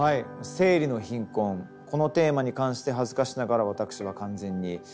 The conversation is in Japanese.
生理の貧困このテーマに関して恥ずかしながら私は完全に無知でしたね。